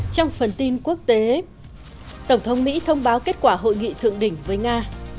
trong phần tin quốc tế tổng thống mỹ thông báo kết quả hội nghị thượng đỉnh với nga